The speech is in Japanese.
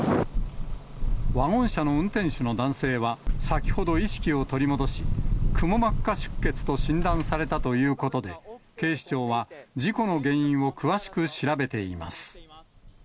ワゴン車の運転手の男性は、先ほど意識を取り戻し、くも膜下出血と診断されたということで、警視庁は事故の原因を詳しく調べています。